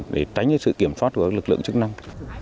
để tránh sự kiểm soát của lực lượng chức năng